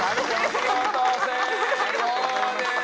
見事成功です！